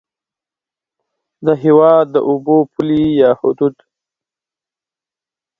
د هېواد د اوبو پولې یا حدود